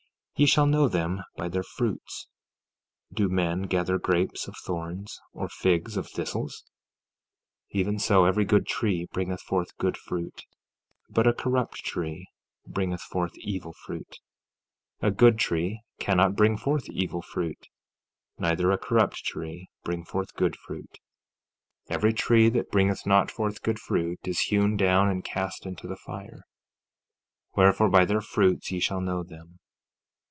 14:16 Ye shall know them by their fruits. Do men gather grapes of thorns, or figs of thistles? 14:17 Even so every good tree bringeth forth good fruit; but a corrupt tree bringeth forth evil fruit. 14:18 A good tree cannot bring forth evil fruit, neither a corrupt tree bring forth good fruit. 14:19 Every tree that bringeth not forth good fruit is hewn down, and cast into the fire. 14:20 Wherefore, by their fruits ye shall know them.